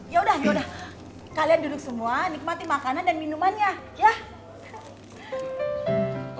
ya udah yaudah kalian duduk semua nikmati makanan dan minumannya ya